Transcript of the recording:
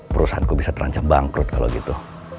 perusahaanku bisa terancam bangkrut kalau gitu